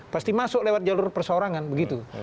pasti masuk lewat jalur persorangan begitu